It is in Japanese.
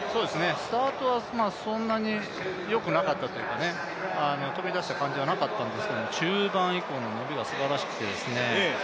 スタートはそんなによくなかったというか飛び出した感じはなかったんですけど中盤以降の伸びがすばらしくてですね